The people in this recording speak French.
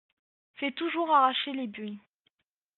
Fais toujours arracher les buis.